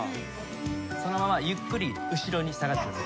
そのままゆっくり後ろに下がってください。